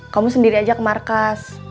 kamu sendiri aja ke markas